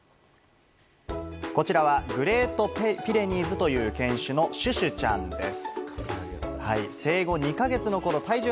こちらはグレートピレニーズという犬種のシュシュちゃんです。